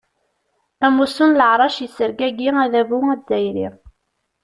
Amussu n leɛrac yessergagi adabu azzayri.